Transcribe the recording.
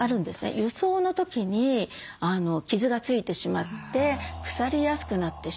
輸送の時に傷が付いてしまって腐りやすくなってしまう。